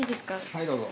はいどうぞ。